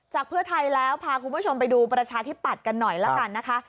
เพื่อไทยแล้วพาคุณผู้ชมไปดูประชาธิปัตย์กันหน่อยละกันนะคะ